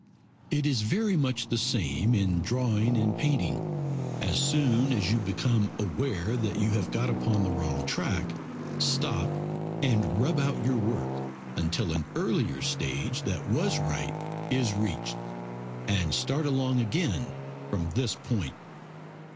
It is very much the same in drawing and painting. As soon as you become aware that you have got upon the wrong track, stop and rub out your work until an earlier stage that was right is reached, and start along again from this point.